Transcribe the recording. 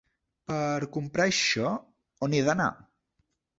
Per comprar això, on he d'anar?